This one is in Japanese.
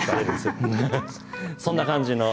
そんな感じの。